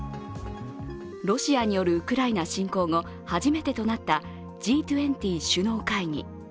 ロシアによるウクライナ侵攻後、初めてとなったＧ２０首脳会議。